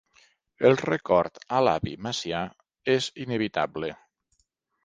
El record a l'avi Macià és inevitable.